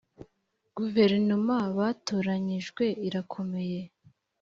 guverinoma batoranyijwe irakomeye.